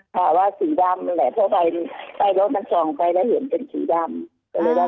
ค่ะว่าสีดำแหละเพราะไปไปโลกนั้นส่องไปแล้วเห็นเป็นสีดำ